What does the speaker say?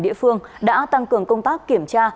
địa phương đã tăng cường công tác kiểm tra